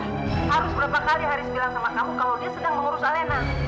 harus berapa kali haris bilang sama kamu kalau dia sedang mengurus alena